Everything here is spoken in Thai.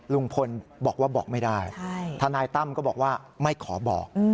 ลุงพลบอกว่าบอกไม่ได้ทนายตั้มก็บอกว่าไม่ขอบอก